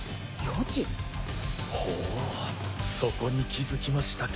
ほうそこに気づきましたか。